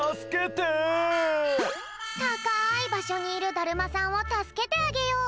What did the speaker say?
たかいばしょにいるだるまさんをたすけてあげよう！